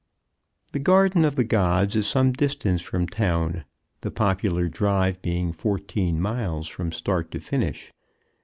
The Garden of the Gods is some distance from town, the popular drive being fourteen miles from start to finish.